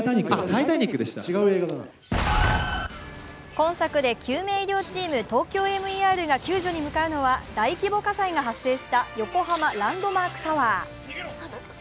今作で、救命医療チーム「ＴＯＫＹＯＭＥＲ」が救助に向かうのは大規模火災が発生した横浜ランドマークタワー。